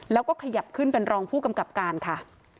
แล้วก็ขยับขึ้นเป็นรองผู้กำกับการค่ะ